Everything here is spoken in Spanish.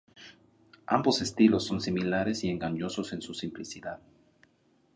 Ambos estilos son similares y engañosos en su simplicidad.